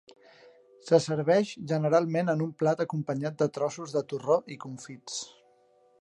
Se serveix generalment en un plat acompanyat de trossos de torró i confits.